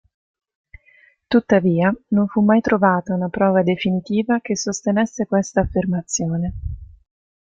Tuttavia, non fu mai trovata una prova definitiva che sostenesse questa affermazione.